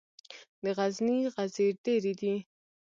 د غزني غزې ډیرې دي